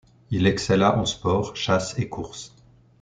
Il excella en sport, chasse et course.